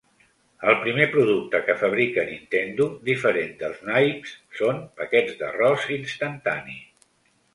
El primer producte que fabrica Nintendo, diferent dels naips, són paquets d'arròs instantani.